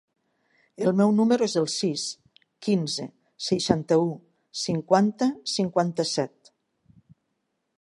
El meu número es el sis, quinze, seixanta-u, cinquanta, cinquanta-set.